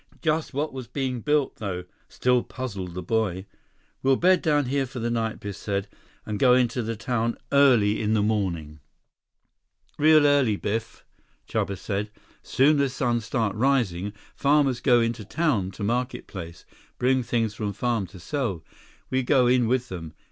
Just what was being built, though, still puzzled the boy. "We'll bed down here for the night," Biff said, "and go into the town early in the morning." "Real early, Biff," Chuba said. "Soon as sun start rising, farmers go into town to market place. Bring things from farm to sell. We go in with them.